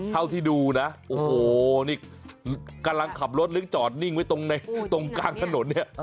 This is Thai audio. เท่าที่ดูนะโอ้โหนี่กำลังขับรถหรือจอดนิ่งไว้ตรงกลางถนนเนี่ย